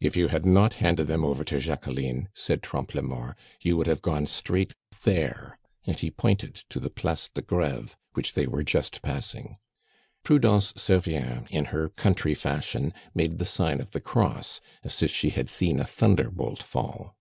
"If you had not handed them over to Jacqueline," said Trompe la Mort, "you would have gone straight there," and he pointed to the Place de Greve, which they were just passing. Prudence Servien, in her country fashion, made the sign of the Cross, as if she had seen a thunderbolt fall.